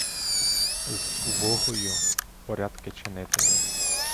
З убогою — порядки чинити.